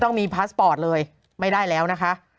โหยวายโหยวายโหยวายโหยวาย